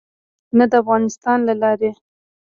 نه د افغانستان له لارې.